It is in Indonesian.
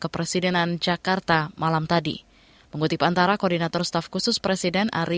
pertama kali kita berkahwin